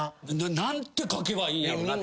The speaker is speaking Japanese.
何て書けばいいんやろな。